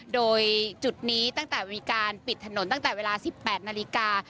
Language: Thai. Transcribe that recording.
โดยจุดนี้ตั้งแต่มีการปิดถนนตั้งแต่เวลา๑๘นาฬิกา